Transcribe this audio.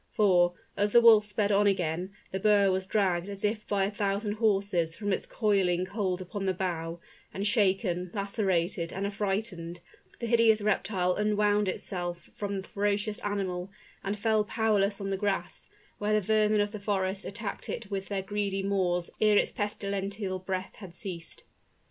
For, as the wolf sped on again, the boa was dragged as if by a thousand horses from its coiling hold upon the bough and shaken, lacerated, and affrighted, the hideous reptile unwound itself from the ferocious animal, and fell powerless on the grass, where the vermin of the forest attacked it with their greedy maws ere its pestilential breath had ceased.